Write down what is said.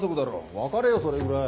分かれよそれぐらい。